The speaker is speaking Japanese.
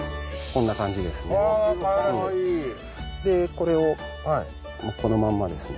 これをこのまんまですね